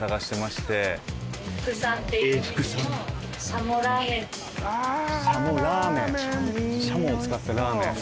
しゃもを使ったラーメン。